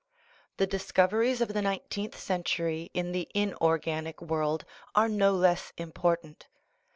The discoveries of the nineteenth century in the in organic world are no less important.